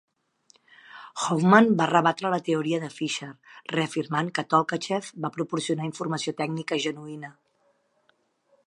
Hoffman va rebatre la teoria de Fischer, reafirmant que Tolkachev va proporcionar informació tècnica genuïna.